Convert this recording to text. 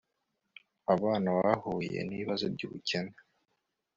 abana bahuye n ibibazo by ubukene